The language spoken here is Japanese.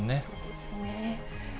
そうですね。